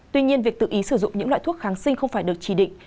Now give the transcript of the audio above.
tuy nhiên việc tự ý sử dụng những loại thuốc kháng sinh không phải được chỉ định